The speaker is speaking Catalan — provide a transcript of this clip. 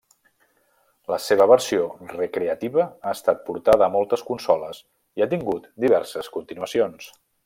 La seva versió recreativa ha estat portada a moltes consoles, i ha tingut diverses continuacions.